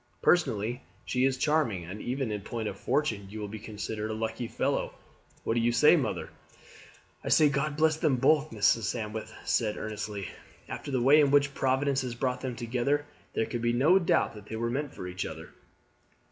Personally she is charming, and even in point of fortune you would be considered a lucky fellow. What do you say, mother?" "I say God bless them both!" Mrs. Sandwith said earnestly. "After the way in which Providence has brought them together, there can be no doubt that they were meant for each other."